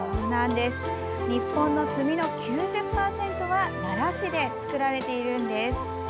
日本の墨の９０％は奈良市で作られているんです。